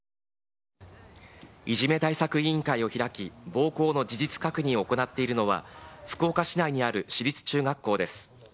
いじめ対策委員会を開き、暴行の事実確認を行っているのは、福岡市内にある私立中学校です。